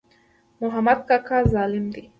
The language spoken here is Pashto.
محمود کاکا ظالم دی.